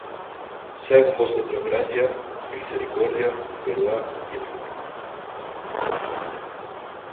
Sea con vosotros gracia, misericordia, en verdad y en amor.